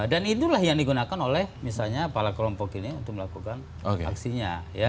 dan itulah yang digunakan oleh misalnya para kelompok ini untuk melakukan aksinya